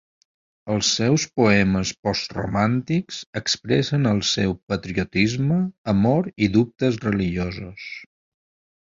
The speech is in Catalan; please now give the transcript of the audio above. Els seus poemes postromàntics expressen el seu patriotisme, amor i dubtes religiosos.